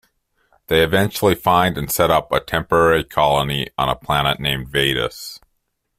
They eventually find and set up a temporary colony on a planet named Vadis.